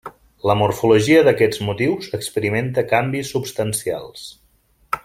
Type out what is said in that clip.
La morfologia d'aquests motius experimenta canvis substancials.